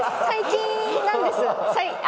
最近なんですよ。